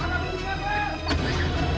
malah dapet mpinggir pet